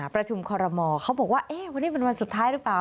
ประชุมคอรมอเขาบอกว่าวันนี้เป็นวันสุดท้ายหรือเปล่า